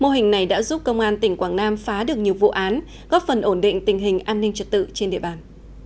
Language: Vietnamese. mô hình này đã giúp công an tỉnh quảng nam phá được nhiều vụ án góp phần ổn định tình hình an ninh trật tự trên địa bàn